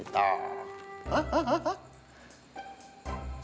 hah hah hah